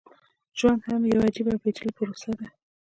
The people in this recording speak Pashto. ژوند هم يوه عجيبه او پېچلې پروسه ده.